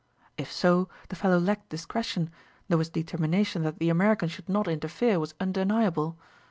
If so, the fellow lacked discretion, though his determination that the American should not interfere was undeniable.